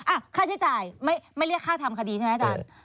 ค่าใช้จ่ายไม่เรียกค่าทำคดีใช่ไหมอาจารย์